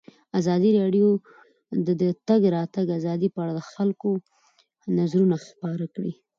ازادي راډیو د د تګ راتګ ازادي په اړه د خلکو نظرونه خپاره کړي.